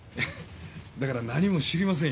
だから何も知りませんよ。